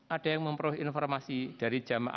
ada yang memperoleh informasi dari berita di televisi